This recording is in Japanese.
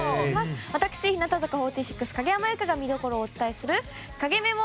私日向坂４６、影山優佳が見どころをお伝えする影メモ！